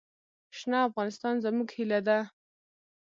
شنه افغانستان زموږ هیله ده.